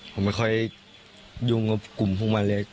ผมไม่ค่อยยุมกลุ่มผู้มันเลย